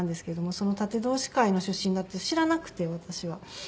その殺陣同志会の出身だって知らなくて私は。